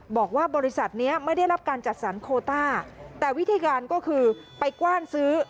บอกว่าบริษัทเนี้ยไม่ได้รับการจัดสรรโคต้าแต่วิธีการก็คือไปกว้านซื้อ